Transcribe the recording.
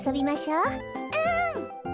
うん。